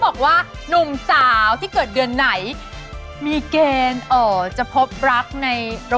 แบบทั้งเกาหลีเหนืออย่างนี้